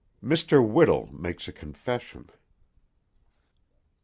MR. WHITTLE MAKES A CONFESSION.